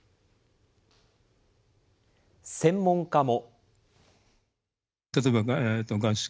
専門家も。